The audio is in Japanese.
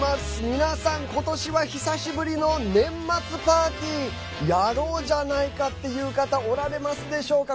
皆さん、今年は久しぶりの年末パーティーやろうじゃないかっていう方おられますでしょうか。